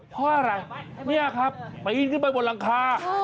เพราะอะไรเนี่ยครับปีนขึ้นไปบนหลังคา